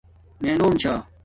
مݺ نݸم ـــــ چھݳ.